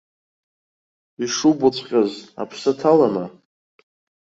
Ишубоҵәҟьаз аԥсы ҭалама?